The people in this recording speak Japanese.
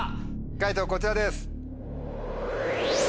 解答こちらです。